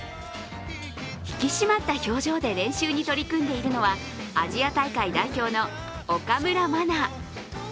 引き締まった表情で練習に取り組んでいるのはアジア大会代表の岡村真。